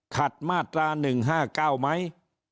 มาตรา๑๕๙ไหม